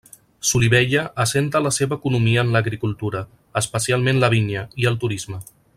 Solivella assenta la seva economia en l'agricultura, especialment la vinya, i el turisme.